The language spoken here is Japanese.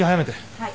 はい。